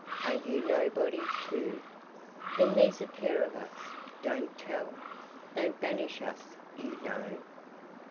Are you nobody, too? Then there 's a pair of us—don't tell! They 'd banish us, you know.